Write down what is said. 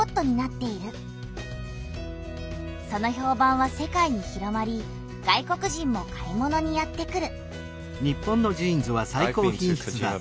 その評判は世界に広まり外国人も買い物にやって来る。